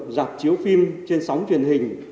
dọc chiếu phim trên sóng truyền hình